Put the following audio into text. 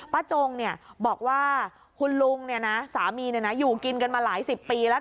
จงบอกว่าคุณลุงสามีอยู่กินกันมาหลายสิบปีแล้ว